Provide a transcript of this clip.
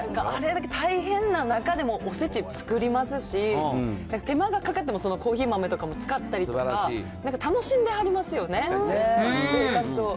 あれだけ大変な中でもおせち作りますし、手間がかかってもそのコーヒー豆とかも使ったりとか、なんか楽しんではりますよね、生活を。